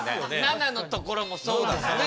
７のところもそうですね。